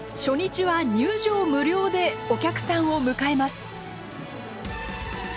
初日は入場無料でお客さんを迎えます。